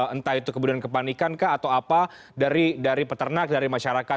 entah itu kemudian kepanikan kah atau apa dari peternak dari masyarakat